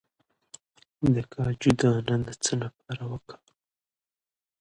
د کاجو دانه د څه لپاره وکاروم؟